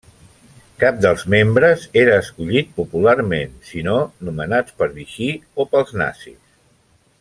Cap dels membres era escollit popularment, sinó nomenats per Vichy o pels nazis.